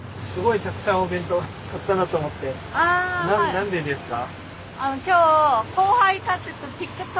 何でですか？